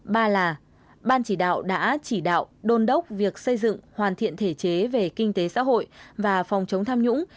ba là ban chỉ đạo đã chỉ đạo đôn đốc việc xây dựng hoàn thiện thể chế về kinh tế xã hội và phòng chống tham nhũng